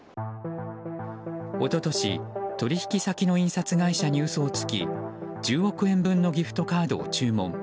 一昨年、取引先の印刷会社に嘘をつき１０億円分のギフトカードを注文。